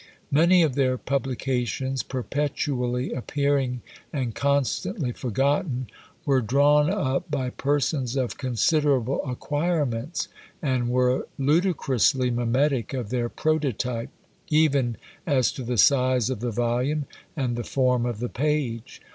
Many of their publications, perpetually appearing and constantly forgotten, were drawn up by persons of considerable acquirements, and were ludicrously mimetic of their prototype, even as to the size of the volume and the form of the page.